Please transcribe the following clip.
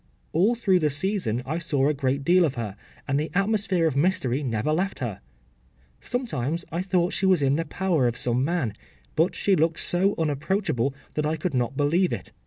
” ‘All through the season I saw a great deal of her, and the atmosphere of mystery never left her. Sometimes I thought that she was in the power of some man, but she looked so unapproachable, that I could not believe it.